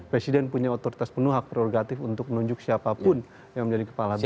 presiden punya otoritas penuh hak prerogatif untuk menunjuk siapapun yang menjadi kepala bp